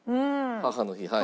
母の日はい。